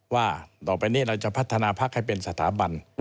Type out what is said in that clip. ว่าต่อไปนี้เราจะพัฒนาพักให้เป็นสถาบัน